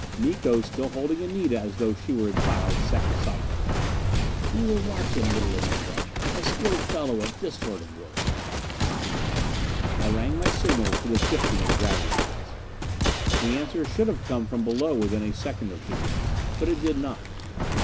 Miko, still holding Anita as though she were a child, sat beside me. "We will watch him, little Anita. A skilled fellow at this sort of work." I rang my signals for the shifting of the gravity plates. The answer should have come from below within a second or two. But it did not.